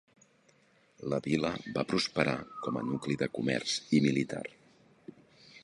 La vila va prosperar com a nucli de comerç i militar.